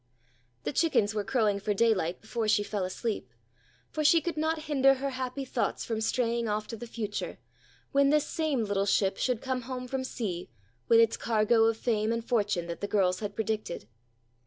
The chickens were crowing for daylight before she fell asleep, for she could not hinder her happy thoughts from straying off to the future, when this same little ship should come home from sea with its cargo of fame and fortune that the girls had predicted.